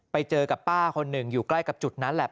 ไปเจอกับป้าคนหนึ่งอยู่ใกล้กับจุดนั้นแหละ